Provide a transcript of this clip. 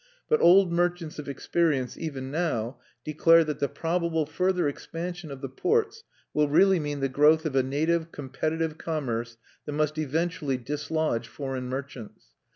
But old merchants of experience even now declare that the probable further expansion of the ports will really mean the growth of a native competitive commerce that must eventually dislodge foreign merchants.